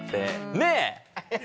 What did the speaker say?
ねえ。